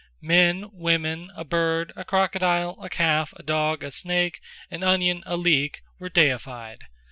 Men, Women, a Bird, a Crocodile, a Calf, a Dogge, a Snake, an Onion, a Leeke, Deified.